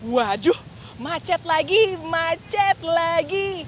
waduh macet lagi macet lagi